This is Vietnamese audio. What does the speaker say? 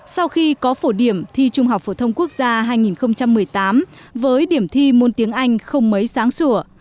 sau khi có phổ điểm thi trung học phổ thông quốc gia hai nghìn một mươi tám với điểm thi môn tiếng anh không mấy sáng sủa